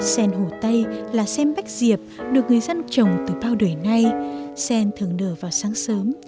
sen hồ tây là sen bách diệp được người dân trồng từ bao đời nay sen thường nở vào sáng sớm